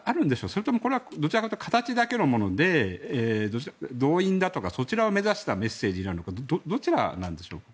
それともどちらかというと形だけのもので動員だとか、そちらを目指したメッセージなのかどちらなんでしょうか。